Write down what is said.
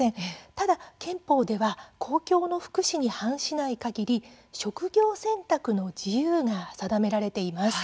ただ、憲法では公共の福祉に反しないかぎり職業選択の自由が定められています。